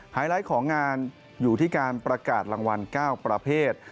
ไฮไลท์ของงานอยู่ที่การประกาศรางวัล๙ประเภท